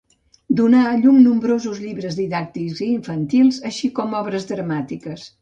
Donà a la llum nombrosos llibres didàctics i infantils, així com obres dramàtiques.